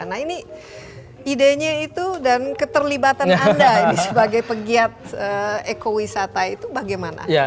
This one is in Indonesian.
nah ini idenya itu dan keterlibatan anda ini sebagai pegiat eko wisata itu bagaimana